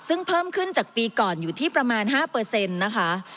ซึ่งเพิ่มขึ้นจากปีก่อนอยู่ที่ประมาณ๕นะคะ